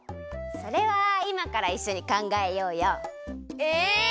それはいまからいっしょにかんがえようよ。え！？